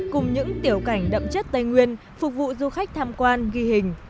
cùng những tiểu cảnh đậm chất tây nguyên phục vụ du khách tham quan ghi hình